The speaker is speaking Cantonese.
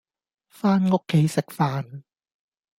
返屋企食飯